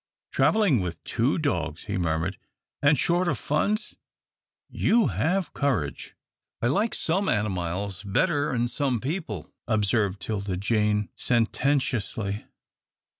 "Travelling with two dogs," he murmured, "and short of funds. You have courage!" "I like some animiles better'n some people," observed 'Tilda Jane, sententiously.